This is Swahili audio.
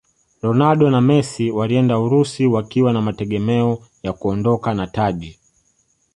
ronaldo na messi walienda urusi wakiwa na mategemeo ya kuondoka na taji